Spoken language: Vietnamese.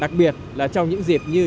đặc biệt là trong những dịp như